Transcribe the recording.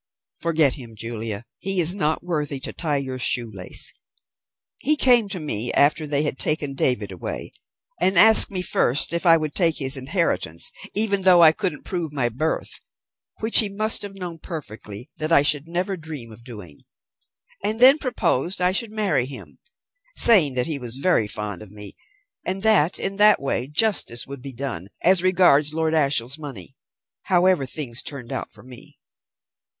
"Forget him, Julia; he is not worthy to tie your shoe lace. He came to me after they had taken David away, and asked me first if I would take his inheritance even though I couldn't prove my birth, which he must have known perfectly that I should never dream of doing, and then proposed I should marry him, saying that he was very fond of me, and that in that way justice would be done as regards Lord Ashiel's money, however things turned out for me.